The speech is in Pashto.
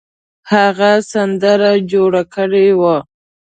هغه سندره جوړه کړې وه.